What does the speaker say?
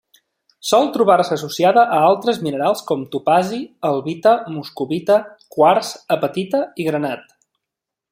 Sol trobar-se associada a altres minerals com: topazi, albita, moscovita, quars, apatita i granat.